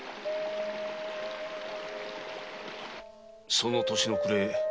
その年の暮れ